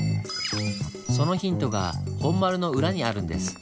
そのヒントが本丸の裏にあるんです。